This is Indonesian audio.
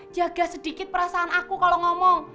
jaga sedikit perasaan aku kalau ngomong